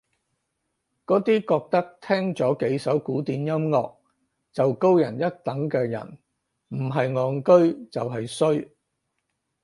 嗰啲覺得聽咗幾首古典音樂就高人一等嘅人唔係戇居就係衰